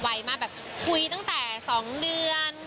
มากแบบคุยตั้งแต่๒เดือน